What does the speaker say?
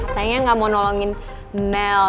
katanya gak mau nolongin mel